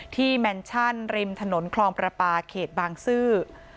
แมนชั่นริมถนนคลองประปาเขตบางซื่อ